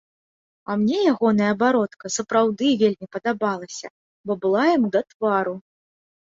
А мне ягоная бародка сапраўды вельмі падабалася, бо была яму да твару.